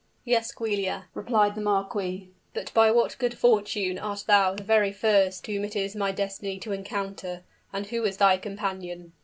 "Yes, Giulia," replied the marquis. "But by what good fortune art thou the very first whom it is my destiny to encounter? and who is thy companion?"